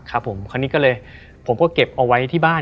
ครับผมคราวนี้ก็เลยผมก็เก็บเอาไว้ที่บ้าน